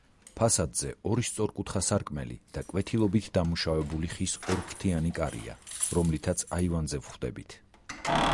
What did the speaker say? ფასადზე ორი სწორკუთხა სარკმელი და კვეთილობით დამუშავებული, ხის ორფრთიანი კარია, რომლითაც აივანზე ვხვდებით.